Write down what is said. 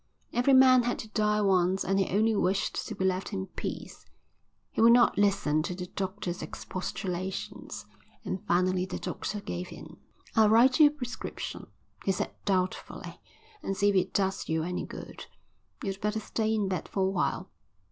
Every man had to die once and he only wished to be left in peace. He would not listen to the doctor's expostulations, and finally the doctor gave in. "I'll write you a prescription," he said doubtfully, "and see if it does you any good. You'd better stay in bed for a while."